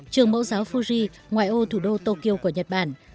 trường mẫu giáo fuji ngoài ô thủ đô tokyo của nhật bản